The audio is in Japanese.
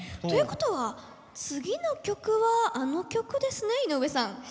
ということは次の曲はあの曲ですね井上さん。